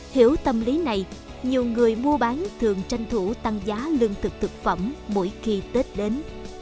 hiểu tâm lý này nhiều người mua bán thường tranh thủ tăng giá lương thực thực phẩm mỗi khi tết đến